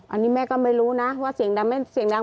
อันนี้แม่ก็ไม่รู้นะว่าเสียงดัง